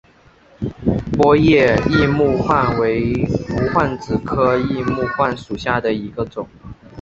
波叶异木患为无患子科异木患属下的一个种。